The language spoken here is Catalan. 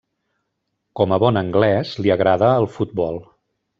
Com a bon anglès li agrada el futbol.